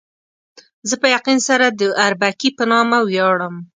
زه په یقین سره د اربکي په نامه ویاړم.